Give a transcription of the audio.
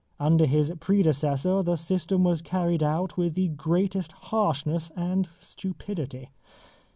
Under his predecessor the system was carried out with the greatest harshness and stupidity.